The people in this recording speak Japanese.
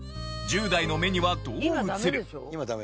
１０代の目にはどう映る？